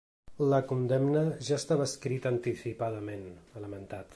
“La condemna ja estava escrita anticipadament”, ha lamentat.